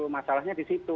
masalahnya di situ